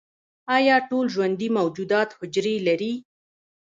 ایا ټول ژوندي موجودات حجرې لري؟